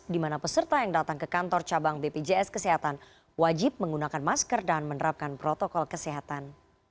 di mana peserta yang datang ke kantor cabang bpjs kesehatan wajib menggunakan masker dan menerapkan protokol kesehatan